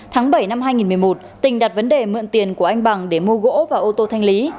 tháng bảy năm hai nghìn một mươi một tình đặt vấn đề mượn tiền của anh bằng để mua gỗ và ô tô thanh lý